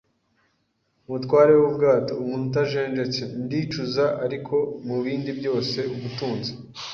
umutware wubwato - umuntu utajenjetse, ndicuza, ariko mubindi byose ubutunzi.